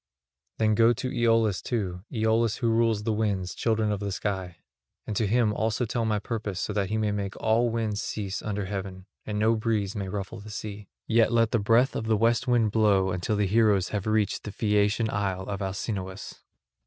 Then go to Aeolus too, Aeolus who rules the winds, children of the clear sky; and to him also tell my purpose so that he may make all winds cease under heaven and no breeze may ruffle the sea; yet let the breath of the west wind blow until the heroes have reached the Phaeacian isle of Alcinous."